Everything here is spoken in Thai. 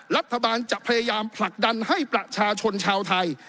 รัฐบาลจะพยายามผลักดันให้ประชาชนชาวไทย